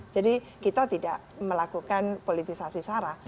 jadi kita tidak melakukan politisasi sara